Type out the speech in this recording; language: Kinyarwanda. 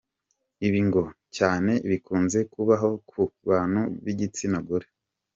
Ibi ngo cyane bikunze kubaho ku bantu b’igitsina gore.